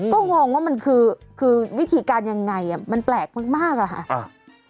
ก็งงว่ามันคือวิธีการยังไงมันแปลกมากอะค่ะ